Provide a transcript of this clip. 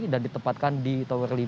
dan ditempatkan di tower lima